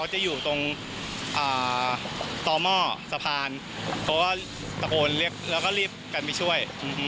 จะอยู่ตรงต่อหม้อสะพานเขาก็ตะโกนเรียกแล้วก็รีบกันไปช่วย